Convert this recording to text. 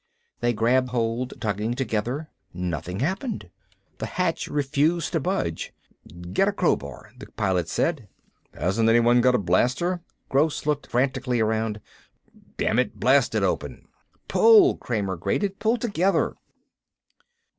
They grabbed hold, tugging together. Nothing happened. The hatch refused to budge. "Get a crowbar," the Pilot said. "Hasn't anyone got a blaster?" Gross looked frantically around. "Damn it, blast it open!" "Pull," Kramer grated. "Pull together."